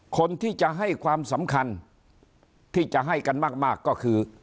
คนที่จะให้ความสำคัญที่จะให้กันมากก็คือ